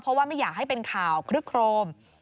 เพราะว่าไม่อยากให้เป็นข่าวคลึกโครม